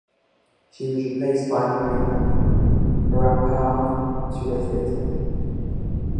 She was replaced by Marina Barampama two days later.